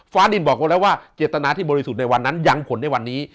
ดินบอกไว้แล้วว่าเจตนาที่บริสุทธิ์ในวันนั้นยังผลในวันนี้